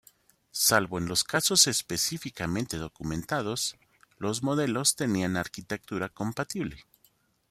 Salvo en los casos específicamente documentados, los modelos tenían arquitectura compatible.